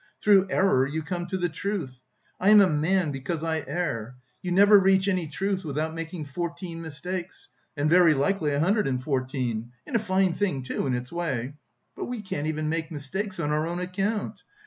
Through error you come to the truth! I am a man because I err! You never reach any truth without making fourteen mistakes and very likely a hundred and fourteen. And a fine thing, too, in its way; but we can't even make mistakes on our own account!